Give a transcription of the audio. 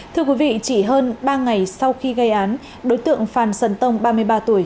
thưa quý vị chỉ hơn ba ngày sau khi gây án đối tượng phan sơn tông ba mươi ba tuổi